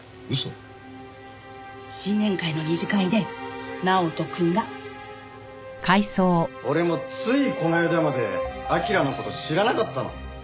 新年会の二次会で直人くんが。俺もついこの間まで彬の事知らなかったの。